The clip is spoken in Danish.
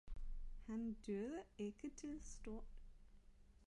Han duede ikke til stort.